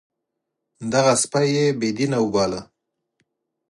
دغه سپی یې بې دینه وباله.